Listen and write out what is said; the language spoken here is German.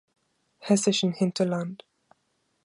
Hessischen Hinterland.